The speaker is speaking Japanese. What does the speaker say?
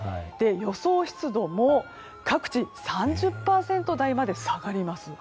予想湿度も、各地３０％台まで下がります。